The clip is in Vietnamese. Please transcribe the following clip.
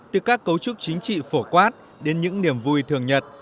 từ các cấu trúc chính trị phổ quát đến những niềm vui thường nhật